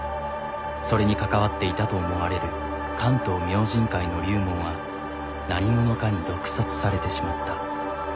それに関わっていたと思われる「関東明神会」の龍門は何者かに毒殺されてしまった。